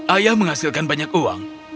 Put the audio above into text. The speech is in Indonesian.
ayah menghasilkan banyak uang